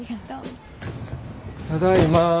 ただいま。